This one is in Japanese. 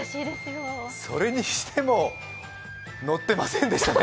それにしても、乗ってませんでしたね。